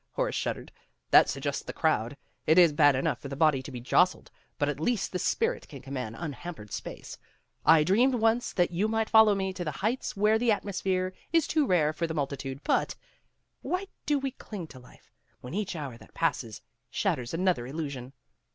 Horace shuddered. "That suggests the crowd. It is bad enough for the body to be jostled, but at least the spirit can command unhampered space. I had dreamed once that you might follow me to the heights where the atmosphere is too rare for the multitude, but Why do we cling to life, when each hour that passes shatters another illusion?"